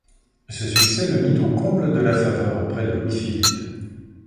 Ce succès le mit au comble de la faveur auprès de Louis-Philippe.